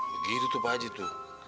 begitu tuh pak ji tuh